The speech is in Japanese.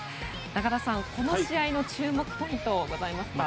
中田さん、この試合の注目ポイントはございますか？